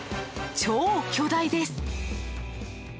超巨大です。